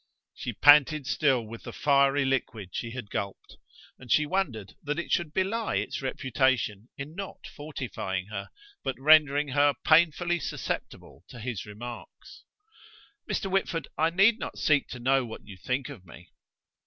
She panted still with the fiery liquid she had gulped: and she wondered that it should belie its reputation in not fortifying her, but rendering her painfully susceptible to his remarks. "Mr. Whitford, I need not seek to know what you think of me."